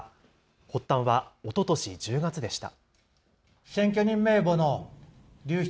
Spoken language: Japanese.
発端はおととし１０月でした。